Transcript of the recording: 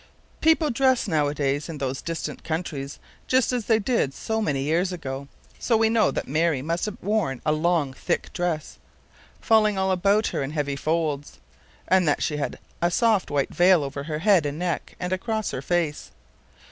People dress nowadays, in those distant countries, just as they did so many years ago, so we know that Mary must have worn a long, thick dress, falling all about her in heavy folds, and that she had a soft white veil over her head and neck, and across her face.